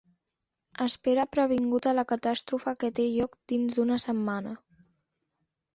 Espera previngut a la Catàstrofe que té lloc dins d'una setmana.